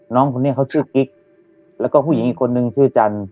น้องคนนี้เขาชื่อกิ๊กแล้วก็ผู้หญิงอีกคนนึงชื่อจันท